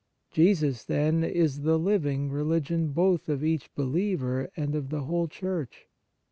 Jesus, then, is the living religion both of each believer and of the whole Church.